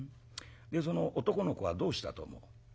でその男の子はどうしたと思う？」。